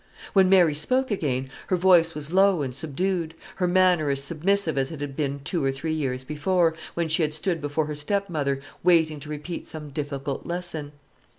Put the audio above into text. When Mary spoke again, her voice was low and subdued, her manner as submissive as it had been two or three years before, when she had stood before her stepmother, waiting to repeat some difficult lesson.